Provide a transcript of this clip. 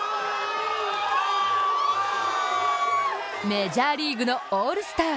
メジャーリーグのオールスター